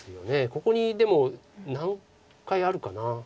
ここにでも何回あるかな。